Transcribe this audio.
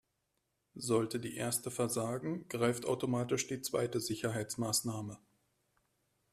Sollte die erste versagen, greift automatisch die zweite Sicherheitsmaßnahme.